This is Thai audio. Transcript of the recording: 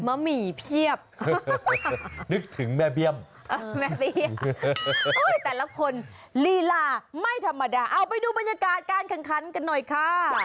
หมี่เพียบนึกถึงแม่เบี้ยมแม่เบี้ยแต่ละคนลีลาไม่ธรรมดาเอาไปดูบรรยากาศการแข่งขันกันหน่อยค่ะ